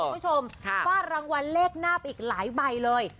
คุณผู้ชมฟาดรางวัลเลขหน้าไปอีกหลายใบเลย